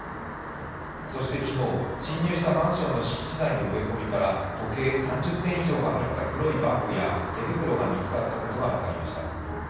そして昨日、侵入したマンションの敷地内の植え込みから時計３０点以上が入った黒いバッグや手袋が見つかったことが分かりました。